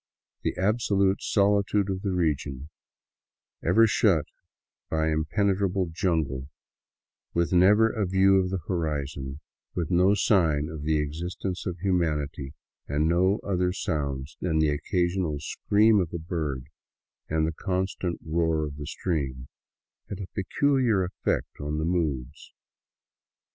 The absolute solitude of the region, ever shut in by impenetrable jungle, with never a view of the horizon, with no sign of the existence of humanity and no other sounds than the occasional scream, of a bird and the constant roar of the stream, had a peculiar effect on the moods.